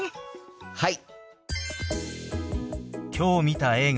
はい！